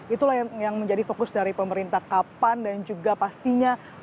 itulah yang menjadi fokus dari pemerintah kapan dan juga pastinya